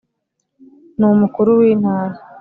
ni umukuru w’intara